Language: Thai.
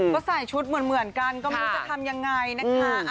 ก็ใส่ชุดเหมือนกันก็ไม่รู้จะทำยังไงนะคะ